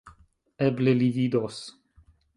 Eble li vidos...